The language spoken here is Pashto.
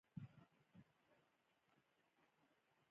ما به د ماشوم شپونکي یوه ځانګړې سندره ورسره ویله.